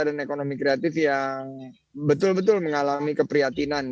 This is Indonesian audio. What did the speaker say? dan ekonomi kreatif yang betul betul mengalami keprihatinan